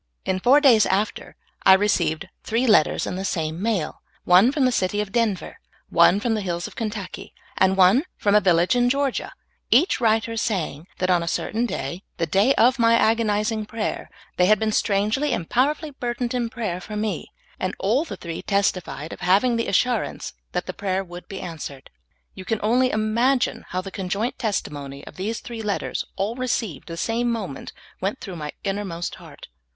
In four daj'S after I re ceived three letters in the same mail — one from the city of Denver, one from the hills of Kentucky, and one from a village in Georgia — each writer saying that on a certain day, the day of my agonizing prayer, the} had SOME STRIKING INCIDENTS. II 3 been strangely and powerfull}" burdened in prayer for me, and all the three testified of having the assurance that the prayer would be answered. You can only imagine how the conjoint testimony of these three let ters — all received the same moment — went through my innermost heart.